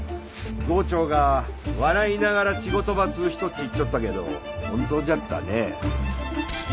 郷長が笑いながら仕事ばすっ人ち言っちょったけど本当じゃったね。